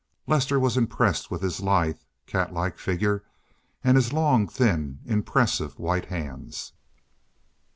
Lester was impressed with his lithe, cat like figure, and his long, thin, impressive white hands.